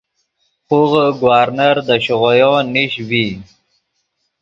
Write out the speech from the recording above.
خوغے گورنر دے شیغویو نیش ڤی